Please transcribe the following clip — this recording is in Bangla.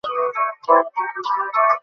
কথা বলা বন্ধ করো!